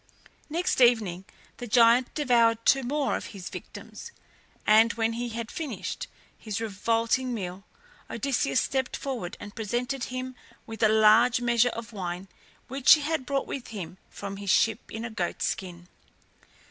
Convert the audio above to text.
Next evening the giant devoured two more of his victims, and when he had finished his revolting meal Odysseus stepped forward and presented him with a large measure of wine which he had brought with him from his ship in a goat's skin.